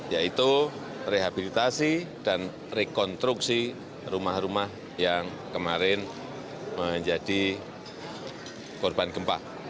yaitu rehabilitasi dan rekonstruksi rumah rumah yang kemarin menjadi korban gempa